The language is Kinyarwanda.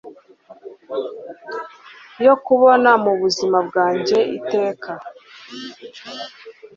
yo kukubona mu buzima bwanjye.iteka